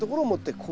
こう。